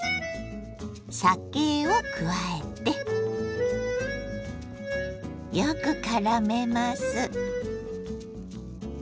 酒を加えてよくからめます。